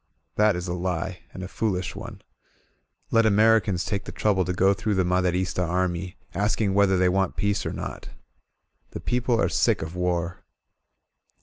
That is a lie, and a foolish one. Let Americans take the trouble to go through the Maderista army, asking whether they want peace or not! The people are sick of war.